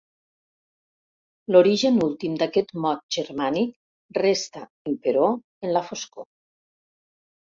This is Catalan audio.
L'origen últim d'aquest mot germànic resta, emperò, en la foscor.